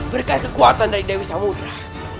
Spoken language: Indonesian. berkat kekuatan dari dewi samudera